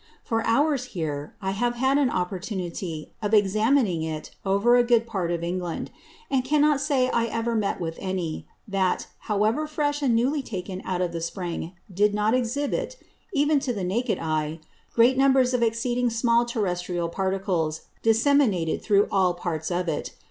For ours here, I have had an Opportunity of examining it over a good part of England; and cannot say I ever met with any, that, however fresh and newly taken out of the Spring, did not exhibit, even to the naked Eye, great numbers of exceeding small terrestrial Particles disseminated through all parts of it.